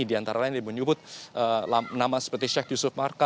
di antara lain menyebut nama seperti sheikh yusuf marka